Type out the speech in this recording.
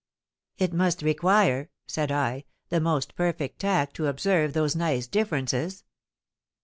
"It must require," said I, "the most perfect tact to observe those nice differences."